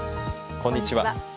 こんにちは。